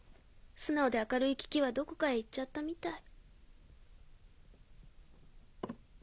素直で明るいキキはどこかへ行っちゃったみたい。